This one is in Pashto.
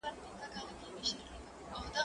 هغه څوک چي کالي مينځي منظم وي